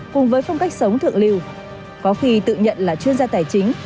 cùng với phong cách sống thượng lưu có khi tự nhận là chuyên gia tài chính